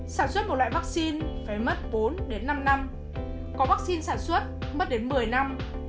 sản xuất một loại vắc xin phải mất bốn năm năm có vắc xin sản xuất mất đến một mươi năm